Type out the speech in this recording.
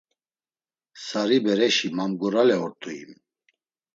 Sari bereşi mamgurale ort̆u him.